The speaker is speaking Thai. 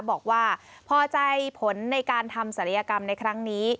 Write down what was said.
บอกว่าพอใจผลในการทำศัลยกรรมในครั้งนี้